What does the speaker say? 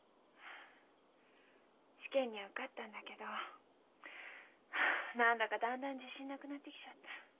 試験には受かったんだけど何だかだんだん自信なくなってきちゃった。